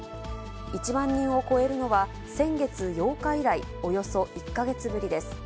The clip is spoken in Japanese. １万人を超えるのは、先月８日以来、およそ１か月ぶりです。